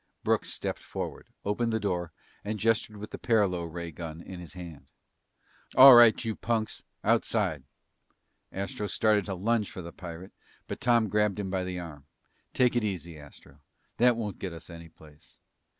Brooks stepped forward, opened the door, and gestured with the paralo ray gun in his hand. "All right, you punks! Outside!" Astro started to lunge for the pirate, but Tom grabbed him by the arm. "Take it easy, Astro. That won't get us any place."